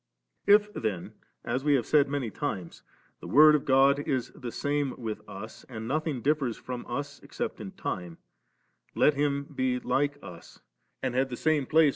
x8. If then, as we have many times said, the Word of God is the same with us, and nothing differs from us except in time, let Him be like ufl| and have the same place with the iiio.